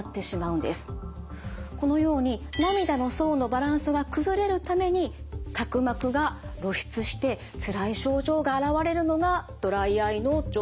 このように涙の層のバランスが崩れるために角膜が露出してつらい症状が現れるのがドライアイの状態です。